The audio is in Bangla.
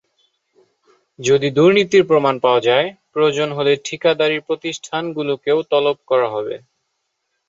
যদি দুর্নীতির প্রমাণ পাওয়া যায়, প্রয়োজন হলে ঠিকাদারি প্রতিষ্ঠানগুলোকেও তলব করা হবে।